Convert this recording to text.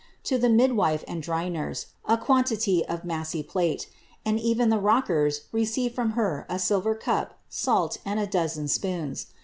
to the midwife if dqr nurse, a quantity of massy plate ; and CYcn the rockers received nJier a silver cup, salt, and a dozen of spoons.